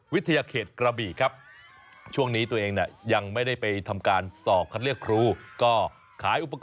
ฟูสิจะไม่ให้ก็ให้มันรู้ไป